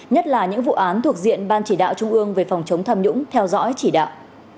nhất là những vụ án thuộc diện ban chỉ đạo trung ương về phòng chống tham nhũng theo dõi chỉ đạo